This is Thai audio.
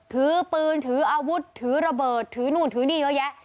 ถือปืนถืออาวุธถือระเบิดถือนู่นถือนี่เยอะแยะ